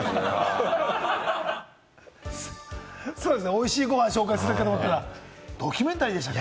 おいしいご飯を紹介するだけと思ったら、ドキュメンタリーでしたか？